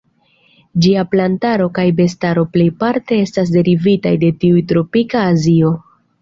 Ĝia plantaro kaj bestaro plejparte estas derivitaj de tiuj de tropika Azio.